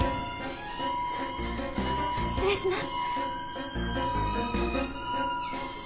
失礼します